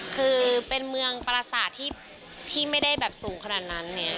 คือเป็นเมืองปรทราชาติที่ไม่ได้สูงขนาดนั้น